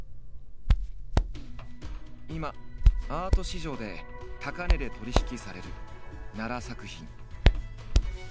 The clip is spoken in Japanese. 今アート市場で高値で取り引きされる奈良作品。